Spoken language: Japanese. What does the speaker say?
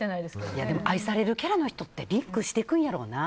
でも愛されるキャラの人ってリンクしていくんやろうな。